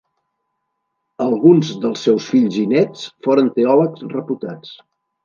Alguns dels seus fills i néts foren teòlegs reputats.